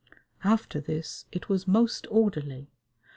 After this it was most orderly.